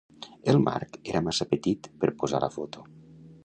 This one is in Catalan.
El marc era massa petit per posar la foto.